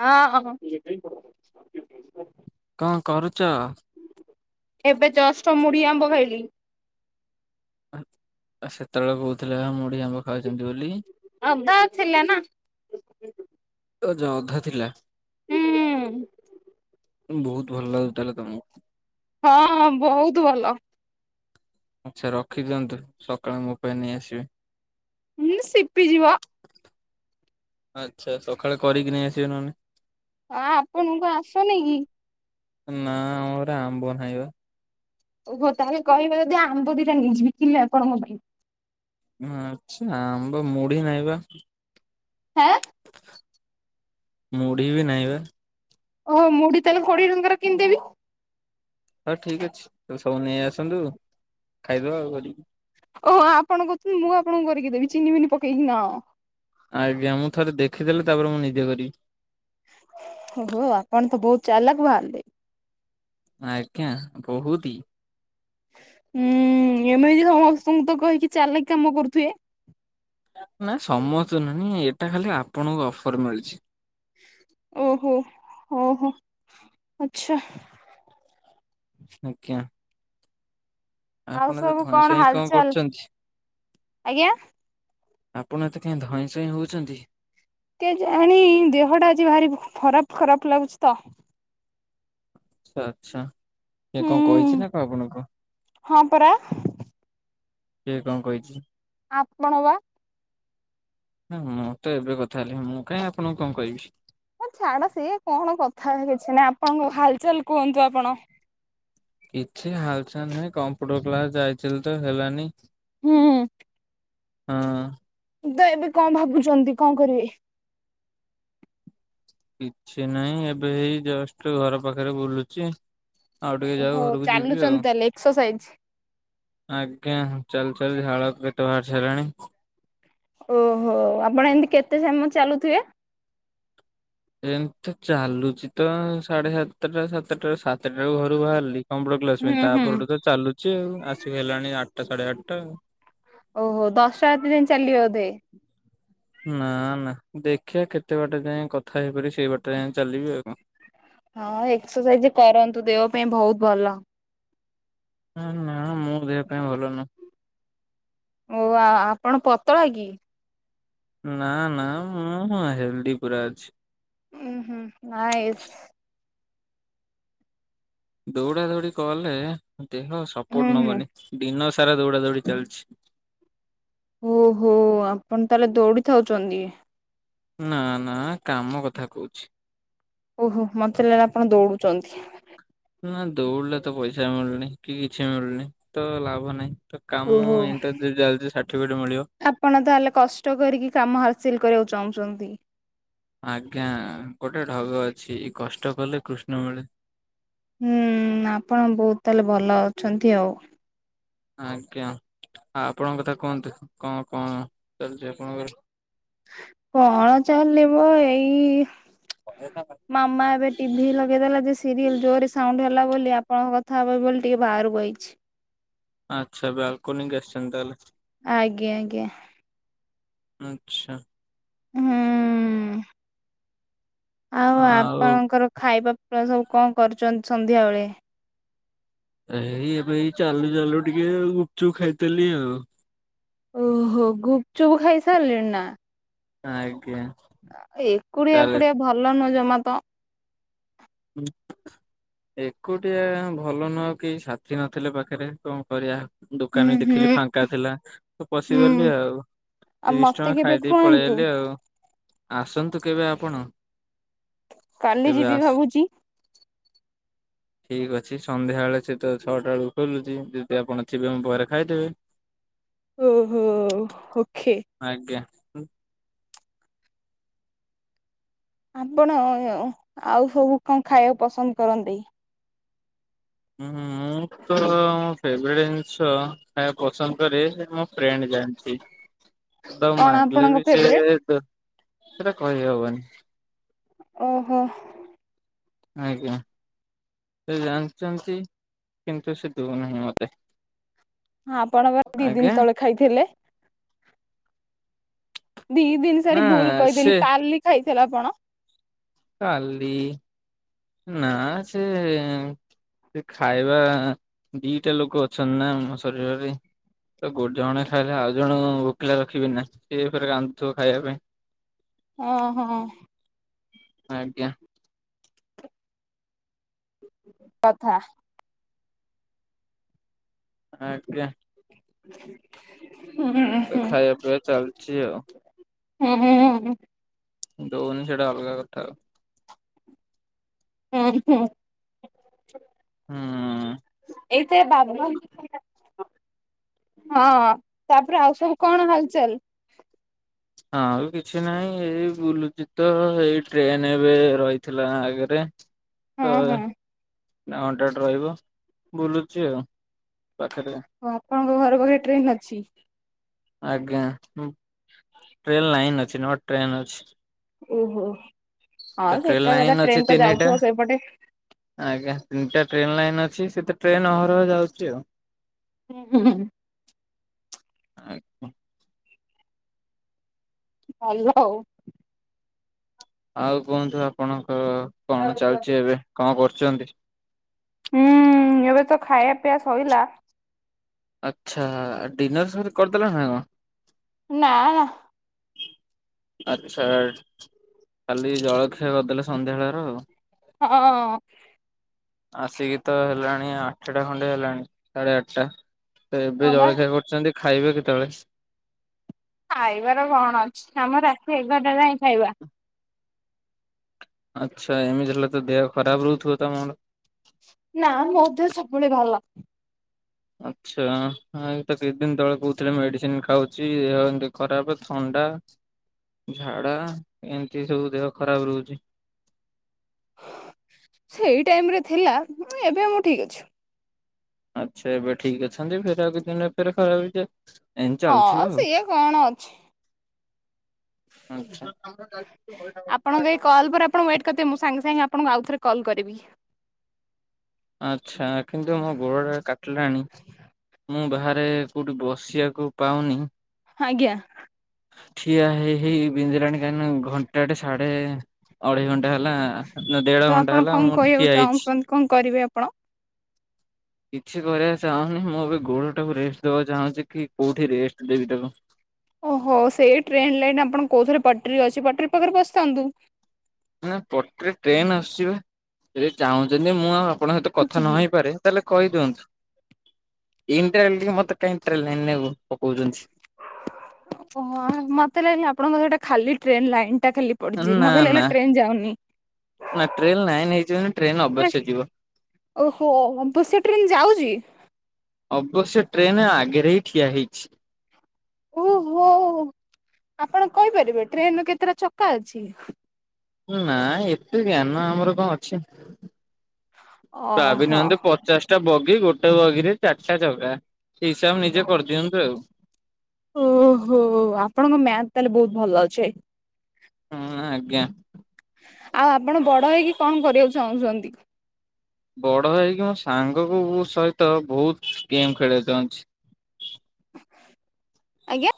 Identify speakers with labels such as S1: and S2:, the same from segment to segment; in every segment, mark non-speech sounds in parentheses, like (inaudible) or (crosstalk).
S1: ହଁ ହଁ
S2: କଣ କରୁଛ?
S1: ଏବେ ଜଷ୍ଟ ମୁଢ଼ି ଆମ୍ବ ଖାଇଲି।
S2: ସେତେବେଳେ କହୁଥିଲ ବା, ମୁଢି ଆମ୍ବ ଖାଉଛନ୍ତି ବୋଲି?
S1: ଅଧା ଥିଲା ନା।
S2: ଯୋଉ ଅଧା ଥିଲା,
S1: ହୁଁ।
S2: (inaudible) ବହୁତ ଭଲ ଲାଗୁଥିଲା ତମକୁ?
S1: ହଁଁ ହଁ, ବହୁତ ଭଲ।
S2: ଆଚ୍ଛା, ରଖିଦିଅନ୍ତୁ। ସକାଳେ ମୋ ପାଇଁ ନେଇ ଆସିବେ।
S1: (unintelligible) ସିପି ଯିବ।
S2: ଆଚ୍ଛା, ସକାଳେ କରିକି ନେଇ ଆସିବେ, ନହେଲେ।
S1: ହଁ, ଆପଣଙ୍କୁ ଆସନି କି?
S2: ନା, ଆମଘରେ ଆମ୍ବ ନାହିଁ ବା।
S1: ଓହୋ ତାହେଲେ କହିବ ଯଦି ଆମ୍ବ ଦିଟା ନିଇ ଯିବି କିିଲେ ଆପଣଙ୍କ ପାଇଁ?
S2: ଆମ ବା ମୁଢି ନହିଁ ବା।
S1: ହା
S2: ମୁଢି ବି ନାହିଁ ବା।
S1: ଓହୋ ମୁଢି ତାହେଲେ କୋଡ଼ିଏ ଟଙ୍କାର କିଣିଦେବି।
S2: ହଁ ଠିକ ଅଛି ସବୁ ନେଇ ଆସନ୍ତୁ ଖାଇଦବା ଆଉ କରିକି।
S1: ଓହୋ ଆପଣ କହୁଛନ୍ତି ମୁଁ ଆପଣଙ୍କୁ କରିକି ଦେବି ଚିନି ବିିନି ପକେଇକି ନା?
S2: ଆଜ୍ଞା। ମୁଁ ଥରେ ଦେଖିଦେଲେ ତାପରେ ମୁଁ ନିଜେ କରିବି।
S1: ଓହୋ ଆପଣ ତ ବହୁତ ଚାଲାକ ବାହାରିଲେ।
S2: ଆଜ୍ଞା ବହୁତି।
S1: ହୁଁ ଏମିତି ସମସ୍ତଙ୍କୁ ତ କହିକି ଚାଲିକି କାମ କରୁଥିବେ?
S2: ନା ସମସ୍ତେ ନାଇ ଏଇଟା ଖାଲି ଆପଣଙ୍କୁ ଅଫର ମିଳିଛି।
S1: ଓହୋ। ଓହୋ ଆଚ୍ଛା।
S2: ଆଜ୍ଞା।
S1: ଆଉ
S2: ଆପଣ ଏତେ
S1: ସବୁ
S2: ଧଇଁ ସଇଁ ହେଇ କଣ
S1: ହାଲଚାଲ
S2: କରୁଛନ୍ତି?
S1: ଆଜ୍ଞା।
S2: ଆପଣ ଏତେ କାହିଁ ଧଇଁ ସଇଁ ହଉଛନ୍ତି?
S1: କେଜାଣି ଦେହଟା ଆଜି ଭାରି ଖରାପ ଖରାପ ଲାଗୁଛି ତ।
S2: ଆଛା ଆଛା କିଏ
S1: ହୁଁ
S2: କଣ କହିଛି ନା କଣ ଆପଣଙ୍କୁ?
S1: ହଁ ପରା
S2: କିଏ କଣ କହିଛି?
S1: ଆପଣ ବା।
S2: ହଁ ମୁଁ ତ ଏବେ କଥା ହେଲି ମୁଁ କାଇଁ ଆପଣଙ୍କୁ କଣ କହିବି।
S1: ମୋ ଛାଡ ସିଏ କଣ କଥା କିଛି ନାହିଁ। ଆପଣଙ୍କ ହାଲଚାଲ କୁହନ୍ତୁ ଆପଣ?
S2: କିଛି ହାଲ ଚାଲ ନୁହେଁ କମ୍ପୁଟର କ୍ଲାସ ଯାଇଥିଲି ତ ହେଲାନି।
S1: ହୁଁ।
S2: ହଁ।
S1: ତ ଏବେ କଣ ଭାବୁଛନ୍ତି କଣ କରିବେ?
S2: କିଛି ନାହିଁ ଏବେ ହେଇ ଜଷ୍ଟ ଘର ପାଖରେ ବୁଲୁଛି। ଆଉ ଟିକେ ଯାଉ
S1: ଓହୋ
S2: ଘରକୁ ଯିବି ଆଉ।
S1: ଚାଲୁଛନ୍ତି ତାହେଲେ ଏକ୍ସରସାଇଜ
S2: ଆଜ୍ଞା। ଚାଲି ଚାଲି ଝାଳ କେତେ ବାହାରି ସାରିଲାଣି।
S1: ଓହୋ ଆପଣ ଏମତି କେତେ ସମୟ ଚାଲୁଥିବେ?
S2: ଏମ ତ ଚାଲୁଛି ତ ସାଢେ ସାତଟା ସାତଟାରୁ ସାତଟା ରୁ ଘରୁ ବାହାରିଲି। କମ୍ପ୍ୟୁଟର କ୍ଲାସ
S1: ହୁଁ
S2: ପାଇଁ
S1: ହୁଁ
S2: ତାପରଠୁ ତ ଚାଲୁଛି ଆଉ ଆସିକି ହେଲାଣି ଆଠଟା ସାଢେ ଆଠଟା ଆଉ।
S1: ଓହୋ ଦଶଟା ରାତି ଯାଇଁ ଚାଲିବ ବୋଧେ
S2: ନା ନା ଦେଖିବା କେତେ ବାଟେ ଯାଇଁ କଥା ହେଇପାର ସେଇ ବାଟ ଯାଇ ଚାଲିବି ଆଉ କଣ।
S1: ହଁ ଏକ୍ସରସାଇଜ କରନ୍ତୁ ଦେହ ପାଇଁ ବହୁତ ଭଲ।
S2: ନା ନା ମୁଁ ଦେହ ପାଇଁ ଭଲ ନୁଁ।
S1: ଓ ଆ ଆପଣ ପତଳା କି?
S2: ନା ନା ମୁଁ ହେଲଦି ପୁରା ଅଛି।
S1: ହୁଁ ହୁଁ ନାଇସ୍।
S2: ଦୌଡା ଦୌଡି କଲେ ଦେହ
S1: ହୁଁ
S2: ସପୋର୍ଟ
S1: ହୁଁ
S2: ନବନି। ଦିନ ସାରା ଦୌଡା ଦୌଡି ଚାଲିଛି।
S1: ଓହୋ ଆପଣ ତାହେଲେ ଦୌଡିଥାଉଛନ୍ତି?
S2: ନା ନା କାମ କଥା କହୁଛି।
S1: ଓହୋ ମତେ ଲଲେ ଆପଣ ଦୌଡୁଛନ୍ତି।
S2: ନା ଦୌଡିଲେ ତ ପଇସା ମିଳୁନି କି କିଛି ମିଳୁନି ତ ଲାଭ ନାହିଁ। ତ କାମ
S1: ଓହୋ
S2: ଇଣ୍ଟର ଜଲଦି ସାର୍ଟିଫିକେଟ ମିଳିବ।
S1: ଆପଣ ତାହେଲେ କଷ୍ଟ କରିକି କାମ ହାସିଲ କରିବାକୁ ଚାହୁଁଛନ୍ତି?
S2: ଆଜ୍ଞା ଗୋଟେ ଢଗ ଅଛି କଷ୍ଟ କଲେ କୃଷ୍ଣ ମିଳେ।
S1: ହୁଁ ଆପଣ ବହୁତ ତାହେଲେ ଭଲ ଅଛନ୍ତି ଆଉ।
S2: ଆଜ୍ଞା ଆ ଆପଣଙ୍କ କଥା କୁହନ୍ତୁ କଣ କଣ ଚାଲଚି ଆପଣଙ୍କର?
S1: କଣ ଚାଲିବ ଏଇ ମାମା ଏବେ। ଟିଭି ଲଗେଇଦେଲା ଯେ ସିରିଏଲ ଜୋରେ ସାଉଣ୍ଡ ହେଲା ବୋଲି ଆପଣଙ୍କ କଥା ହେବେ ବୋଲି ଟିକେ ବାହାରୁକୁ ଆଇଛି।
S2: ଆଚ୍ଛା ବ୍ୟାଲକୋନିକି ଆସଛନ୍ତି ତାହେଲେ?
S1: ଆଜ୍ଞା ଆଜ୍ଞା।
S2: ଆଚ୍ଛା।
S1: ହୁଁ। ଆଉ ଆପଣଙ୍କର ଖାଇବା ପିବା ସବୁ କଣ କରୁଚନ୍ତି ସନ୍ଧ୍ୟାବେଳେ?
S2: ଏଇ ଏବେ ଏଇ ଚାଲୁ ଚାଲୁ ଟିକେ ଆଉ ଗୁପଚୁପ ଖାଇଦେଲି ଆଉ।
S1: ଓହୋ ଗୁପଚୁପୁ ଖାଇ ସାରଲେଣି ନା?
S2: ଆଜ୍ଞା।
S1: ଆ ଏକୁଟିଆ
S2: ତାହେଲେ
S1: ଏକୁଟିଆ ଭଲ ନୁହଁ ଜମା ତ।
S2: ହୁଁ। ଏକୁଟିଆ ଭଲ ନୁହଁ କି ସାଥି ନଥିଲେ ପାଖେରେ କଣ କରିବା।
S1: ହୁଁ
S2: ଦୋକାନରେ ଦେଖିଲି
S1: ହୁଁ
S2: ଫାଙ୍କା ଥିଲା ତ
S1: ହୁଁ
S2: ପଶିଗଲି ଆଉ।
S1: ଆଉ
S2: ତିରିଶ ଟଙ୍କା
S1: ମତେ କେବେ
S2: ଖାଇଦେଇ ପଳେଇ
S1: ଖୁଆନ୍ତୁ
S2: ଆଇଲି ଆଉ ଆସନ୍ତୁ କେବେ ଆପଣ।
S1: କାଲି
S2: କେବେ
S1: ଯିବି
S2: ଆସ
S1: ଭାବୁଚି।
S2: ଠିକ ଅଛି ସନ୍ଧ୍ୟାବେଳେ ସେ ତ ଛଅଟା ବେଳୁକୁ ଖୋଲୁଚି ଯଦି ଆପଣ ଥିବେ ମୋ ପାଖରେ ଖାଇଦେବେ।
S1: ଓହୋ ଓଖେ।
S2: ଆଜ୍ଞା।
S1: ଆପଣ ଆଉ ସବୁ କଣ ଖାଇବାକୁ ପସନ୍ଦ କରନ୍ତି?
S2: ଉଁହୁଁ ମୁଁ ତ ମୋ ଫେବରେଟ ଜିନଷ ଖାଇବାକୁ ପସନ୍ଦ କରେ ମୋ ଫ୍ରେଣ୍ଡ ଜାଣିଚି।
S1: (unintelligible)
S2: ତାକୁ ମାଗିଲେ
S1: ଆପଣଙ୍କ
S2: ବି ସେ
S1: ଫେବରେଟ୍?
S2: ଦ ସେଟା କହି ହବନି।
S1: ଓହୋ।
S2: ଆଜ୍ଞା ସେ ଜାଣଚନ୍ତି କିନ୍ତୁ ସେ ଦୋଉନାହିଁ ମତେ।
S1: ହଁ ଆପଣ ପା ଦି ଦିନ
S2: ଆଜ୍ଞା
S1: ତଳେ ଖାଇଥିଲେ। ଦି ଦିନ ସରି
S2: ନା
S1: ଭୁଲ
S2: ସେ
S1: କହିଦେଲି କାଲି ଖାଇଥିଲେ ଆପଣ।
S2: କାଲି। ନାଁ ସେ। ସେ ଖାଇବା ଦିଟା ଲୋକ ଅଛନ୍ତି ନା ଆମ ଶରୀରରେ। ତ ଗୋଟ ଜଣେ ଖାଇଲେ ଆଉ ଜଣ ଭୋକିଲା ରଖିବି ନା ସିଏ ଫେରେ ରାନ୍ଧୁଥିବ ଖାଇବା ପାଇଁ।
S1: ହଁ ହଁ।
S2: ଆଜ୍ଞା।
S1: କଥା।
S2: ଆଜ୍ଞା।
S1: ହୁଁ
S2: ତ
S1: ହୁଁ।
S2: ଖାଇବା ପିଇବା ଚାଲିଛି ଆଉ।
S1: ହୁଁ ହୁଁ ହୁଁ ହୁଁ।
S2: ଦୋଉନି ସେଟା ଅଲଗା କଥା ଅ।
S1: ହୁଁ ହୁଁ।
S2: ହୁଁ
S1: ଏଇଠେ ବାବୁ (inaudible) ହଁ। ହଁ ତାପରେ ଆଉ ସବୁ କଣ ହାଲଚାଲ?
S2: ଆଁଉ କିଛି ନାଇଁ ଏଇ ବୁଲୁଚି ତ ଏଇ ଟ୍ରେନେ ଏବେ ରହିଥିଲା ଆ ଘରେ
S1: ହଁ
S2: ତ
S1: ହଁ।
S2: ନା ଘଣ୍ଟାଟେ ରହିବ ବୁଲୁଚି ଆଉ ପାଖେରେ।
S1: ଓ ଅପାଙ୍କ ଘର ପାଖେ ଟ୍ରେନ ଅଛି।
S2: ଆଜ୍ଞା, ହୁଁ ଟ୍ରେନ୍ ଲାଇନ୍ ଅଛି ନଟ ଟ୍ରେନ୍ ଅଛି।
S1: ଓହୋ,
S2: ତ
S1: ହଁ ସେ
S2: ଟ୍ରେନ ଲାଇନ୍
S1: ଏକାକଥା
S2: ଅଛି
S1: ଟ୍ରେନ ତ
S2: ତିନିଟା।
S1: ଯାଉଥିବ ସେପଟେ।
S2: ଆଜ୍ଞା, ତିନଟା ଟ୍ରେନ ଲାଇନ୍ ଅଛି ସେତ ଟ୍ରେନ ଅହରହ ଯାଉଚି ଆଉ।
S1: ଉଁ ହୁଁ ହୁଁଁ
S2: ଆଜ୍ଞା
S1: ଭଲ ଆଉ।
S2: ଆଉ କୁହନ୍ତୁ, ଆପଣଙ୍କ କଣ ଚାଲଚି ଏବେ କଣ କରୁଚନ୍ତି?
S1: ହୁଁ, ଏବେ ତ ଖାଇବା ପିଇବା ସଇଲା।
S2: ଆଚ୍ଛା ଡିନର ସବୁ କରିଦେଲଣି ନା କଣ?
S1: ନାଁ ନା
S2: ଆଚ୍ଛା କାଲି ଜଳଖିଆ କରିଦେଲ ସନ୍ଧ୍ୟା ବେଳର ଆଉ।
S1: ହଁ
S2: ଆସିକି ତ ହେଲାଣି ଆଠଟା ଖଣ୍ଡେ ହେଲାଣି ସାଢେ ଆଠଟା। ଏବେ
S1: ହଁ ବା
S2: ଜଳଖିଆ କରୁଚନ୍ତି ଖାଇବେ କେତବଳେ?
S1: ଖାଇବାର କଣ ଅଛି, ଆମ ରାତି ଏଗାରଟା ଯାଏଁ ଖାଇବା।
S2: ଆଚ୍ଛା, ଏମିତି ହେଲେ ତ ଦେହ ଖରାପ ରହୁଥିବ ତମର।
S1: ନାଁ ମୋ ଦେହ ସବୁବଳେ ଭଲ।
S2: ଆଚ୍ଛା, ଏଇତ କିଛି ଦିନ ତଳେ କହୁଥିଲେ ମେଡିସିନ ଖାଉଚି। ଇଏ ଖରାପେ ଥଣ୍ଡା ଝାଡା ଏମତି ସବୁ ଦେହ ଖରାପ ରହୁଚି।
S1: ସେଇ ଟାଇମ ରେ ଥିଲା। ହୁଁ ଏବେ ମୁଁ ଠିକ ଅଛି।
S2: ଆଚ୍ଛାଏବେ ଠିକ ଅଛନ୍ତି, ଫେରେ ଆଉ କିଛି ଦିନରେ ଫେରେ ଖରାପ ହେଇଯିବ।
S1: ହଁ ସିଏ କଣ ଅଛି।
S2: ଆଚ୍ଛା
S1: ଆପଣଙ୍କ ଏଇ
S2: (unintelligible)
S1: କଲ୍ ପରେ ଆପଣ ୱେଟ୍ କରିଥିବେ ମୁଁ ସାଙ୍ଗେ ସାଙ୍ଗେ ଆପଣଙ୍କୁ ଆଉଥରେ କଲ କରିବି।
S2: ଆଚ୍ଛା କିନ୍ତୁ ମୋ ଗୋଡ଼ଟା କାଟିଲାଣି, ମୁଁ ବାହାରେ କଉଠି ବସିବାକୁ ପାଉନି।
S1: ହାଜ୍ଞା।
S2: ଠିଆ ହେଇ ହେଇ ବିନ୍ଧିଲାଣି କାହିଁକି ନା ଘଣ୍ଟାଟେ ସାଢେ, ଅଢେଇ ଘଣ୍ଟା ହେଲା,
S1: ତ
S2: ଦେଢ ଘଣ୍ଟା
S1: ଆପଣ
S2: ହେଲା
S1: କଣ
S2: ମୁଁ
S1: କହିବାକୁ
S2: ଠିଆ ହେଇଛି।
S1: ଚାହୁଁଛନ୍ତି କଣ କରିବେ ଆପଣ?
S2: କିଛି କରିବାକୁ ଚାହୁଁନି। ମୁଁ ଏବେ ଗୋଡ ଟାକୁ ରେଷ୍ଟ ଦବାକୁ ଚାହୁଁଛି, କି କୋଉଠି ରେଷ୍ଟ ଦେବି ତାକୁ।
S1: ଓହୋ ସେଇ ଟ୍ରେନ୍ ଲାଇନ, ଆପଣ କୋଉ ଥରେ ପଟରୀ ଅଛି ପଟରୀ ପାଖରେ ବସିଥାନ୍ତୁ।
S2: ନା ପଟ୍ଟ୍ରି ରେ ଟ୍ରେନ ଆସୁଚିବା। ସେ ଚାହୁଁଛନ୍ତି ମୁଁ ଆଉ ଆପଣଙ୍କ ସହିତ
S1: ପଡୁଛି
S2: କଥା
S1: କି?
S2: ନହଇପାରେ। ତାହେଲେ କହିଦିଅନ୍ତୁ ଇଣ୍ଡାଲ ମତେ କାହିଁ ଟ୍ରେନ ଲାଇନ୍ ରେ ପକଉଛନ୍ତି।
S1: ଓହ ମତେ ଲାଗିଲା ଆପଣଙ୍କର ସେଟା ଖାଲି ଟ୍ରେନ୍ ଲାଇନ୍ ଟା ଖାଲି। ପଡିଛି
S2: ନା
S1: ମତେଲେ
S2: ନା
S1: ହେଲେ ଟ୍ରେନ ଯାଉନି।
S2: ନା ଟ୍ରେନ ଲାଇନ ହେଇଛି ମାନେ ଟ୍ରେନ ଅବଶ୍ୟ
S1: (unintelligible)
S2: ଯିବ।
S1: ଓହୋ ବାପସ ସେଇ ଟ୍ରେନ୍ ଯାଉଛି?
S2: ଅବଶ୍ୟ ଟ୍ରେନ ଆଗରେ ହିଁ ଠିଆ ହେଇଛି।
S1: ଓହୋ, ଆପଣ କହିପାରିବେ ଟ୍ରେନ ର କେତେଟା ଚକା ଅଛି?
S2: ନା ଏତେ ଜ୍ଞାନ ଆମର କ ଅଛି?
S1: ଓହୋ
S2: ଭାବିନାହାନ୍ତି ପଚାଶ ଗଟା ବଗି ଗୋଟେ ବଗିରେ ଚାରିଟା ଚଗ ଏଇସବ ନିଜେ କରିଦିଅନ୍ତୁ ଆଉ
S1: ଓହୋ ଆପଣଙ୍କ ମ୍ୟାଥ ତାହେଲେ ବହୁତ ଭଲ ଅଛେ।
S2: ହୁଁ ଆଜ୍ଞା।
S1: ଆଉ ଆପଣ ବଡ଼ ହେଇକି କଣ କରିବାକୁ ଚାହୁଁଛନ୍ତି?
S2: ବଡ ହେଇକି ମୋ ସାଙ୍ଗ କ ସହିତ ବହୁତ ଗେମ୍ ଖେଳିବାକୁ ଚାହୁଁଛି।
S1: ଆଜ୍ଞା।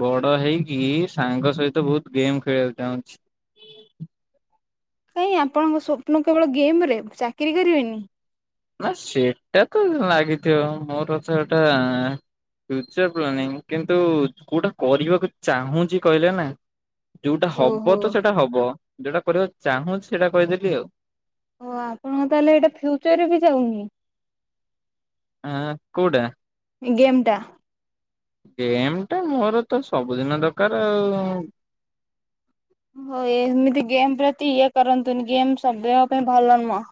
S2: ବଡ ହେଇକି ସାଙ୍ଗ ସହିତ ବହୁତ ଗେମ୍ ଖେଳିବାକୁ ଚାହୁଁଛି।
S1: କାଇହିଁ ଆପଣଙ୍କ ସ୍ୱପ୍ନ କେବଳ ଗେମ ରେ ଚାକିରି କରିବେନି?
S2: ନା ସେଇଟା ତ ଲାଗିଥିବ ମୋର ତ ସେଇଟା ଫ୍ୟୁଚର ପ୍ଲାନିଂ କିନ୍ତୁ କୋଉଟା କରିବାକୁ ଚାହୁଁଛି କହିଲେ ନା? ଯୋଉଟା ହବ
S1: ଓହୋ
S2: ତ ସେଇଟା ହବ ଯୋଉଟା କରିବାକୁ ଚାହୁଁଛି ସେଇଟା କରିଦେଲି ଆଉ।
S1: ଓ ଆପଣ ତାହେଲେ ଏଇଟା ଫ୍ୟୁଚରରେ ବି ଯାଉନି।
S2: ଏଁ କୋଉଟା?
S1: ଗେମ୍ ଟା।
S2: ଗେମ୍ ଟାଟ ମୋର ତ ସବୁଦିନ ଦରକାର ଆଉ।
S1: ହ ଏମିତି ଗେମ୍ ପ୍ରତି ଇଏ କରନ୍ତୁନି ଗେମ୍ ସବୁ ବେଳ ପାଇଁ ଭଲ ନୁହଁ।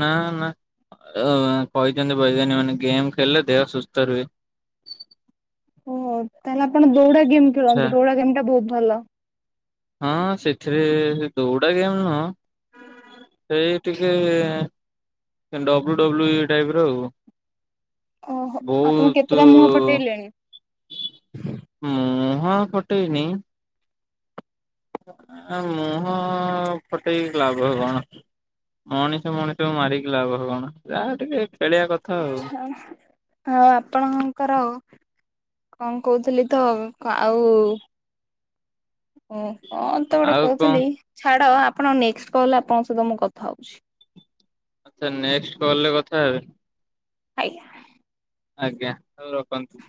S2: ନା ନା କହିଛନ୍ତି ବୈଜ୍ଞାନିକ ମାନେ ଗେମ୍ ଖେଳିଲେ ଦେହ ସୁସ୍ଥ ରୁହେ।
S1: ଓ ତାହେଲେ ଆପଣ ଦୌଡ଼ା ଗେମ୍
S2: ଆଛା
S1: ଖେଳନ୍ତୁ ଦୌଡା ଗେମ୍ ଟା ବହୁତ ଭଲ।
S2: ହଁ ସେଥିରେ ଦୌଡା ଗେମ୍ ନୁହଁ।
S1: ହୁଁ।
S2: ସେଇ ଟିକେ ଡବ୍ଲୁ ଡବ୍ଲୁ ଇ ଟାଇପ ର ଆଉ
S1: ଓହୋ ଆପଣ
S2: ବହୁତ
S1: କେତେଟା ମୁହଁ ପଠେଇଲେଣି?
S2: ମୁହଁ ଫଟେଇନି ମୁହଁ ଫଟେଇକି ଲାଭ କଣ? ମଣିଷ ମଣିଷକୁ ମାରିକି ଲାଭ କଣ ଯାହା ଟିକେ ଖେଳଆ କଥା ଆଉ।
S1: ଆଉ ଆପଣଙ୍କର କଣ କହୁଥିଲି ତ ଆଉ ଓ କଣ ତ ଗୋଟେ
S2: ଆଉ କଣ
S1: କହୁଥିଲି ଛାଡ ଆପଣ ନେକ୍ସଟ୍ କଲ ଆପଣଙ୍କ ସହିତ ମୁଁ କଥା ହଉଛି।
S2: ନେକ୍ସଟ କଲରେ କଥା ହେବେ।
S1: ଆଜ୍ଞା।
S2: ଆଜ୍ଞା ହଉ ରଖନ୍ତୁ।